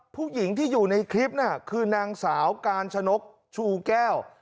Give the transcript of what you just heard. ผู้หญิงที่อยู่ในคลิปน่ะคือนางสาวกาญชนกชูแก้ว